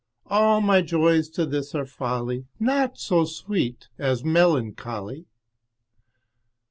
All my joys to this are folly, Naught so sweet as melancholy.